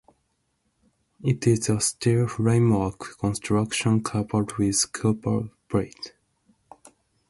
It is a steel framework construction covered with copper plates.